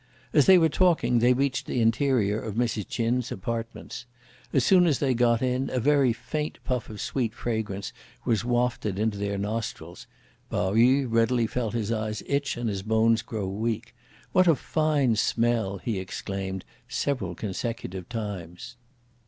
As they were talking, they reached the interior of Mrs. Ch'in's apartments. As soon as they got in, a very faint puff of sweet fragrance was wafted into their nostrils. Pao yü readily felt his eyes itch and his bones grow weak. "What a fine smell!" he exclaimed several consecutive times.